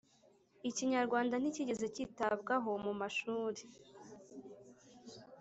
ikinyarwanda ntikigeze kitabwaho mu mashuri,